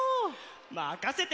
まかせて！